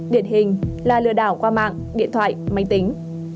điển hình là lừa đảo qua mạng điện thoại máy tính